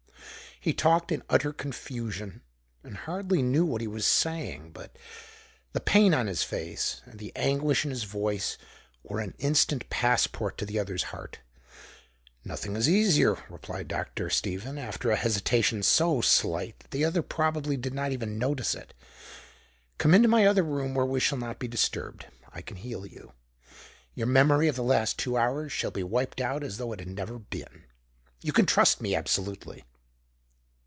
He talked in utter confusion, and hardly knew what he was saying. But the pain on his face and the anguish in his voice were an instant passport to the other's heart. "Nothing is easier," replied Dr. Stephen, after a hesitation so slight that the other probably did not even notice it. "Come into my other room where we shall not be disturbed. I can heal you. Your memory of the last two hours shall be wiped out as though it had never been. You can trust me absolutely."